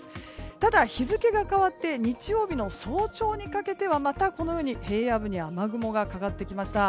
ただ、日付が変わって日曜日の早朝にかけてはまた、このように平野部に雨雲がかかってきました。